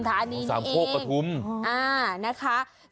สามโคกปะทุม